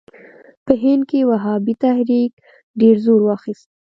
په هند کې وهابي تحریک ډېر زور واخیست.